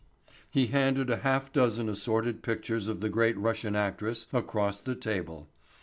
He handed a half dozen assorted pictures of the great Russian actress across the table.